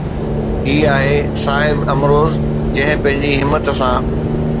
هي آهي صاحب امروز جنهن پنهنجي همت سان